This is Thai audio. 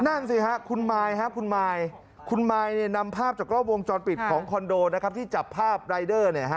นั่นสิค่ะคุณมายคุณมายนำภาพจากรอบวงจอดปิดของคอนโดที่จับภาพรายเดอร์